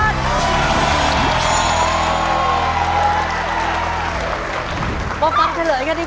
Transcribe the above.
สวัสดีครับ